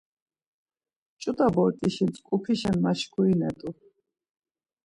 Ç̌ut̆a bort̆işi tzǩupişen maşkurinet̆u.